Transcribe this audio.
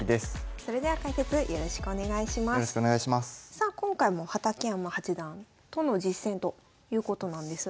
さあ今回も畠山八段との実戦ということなんですが。